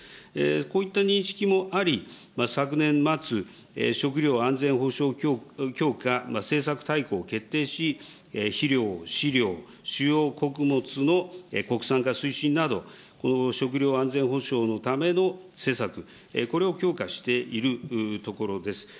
こういった認識もあり、昨年末、食料安全保障強化政策大綱を決定し、肥料、飼料、主要穀物の国産化推進など、食料安全保障のための施策、これを強化しているところです。